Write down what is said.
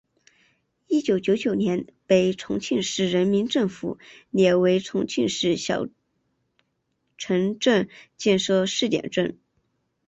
一九九九年被重庆市人民政府列为重庆市小城镇建设试点镇。